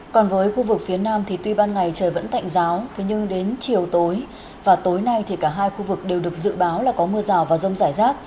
còn với khu vực phía nam thì tuy ban ngày trời vẫn tạnh giáo thế nhưng đến chiều tối và tối nay thì cả hai khu vực đều được dự báo là có mưa rào và rông rải rác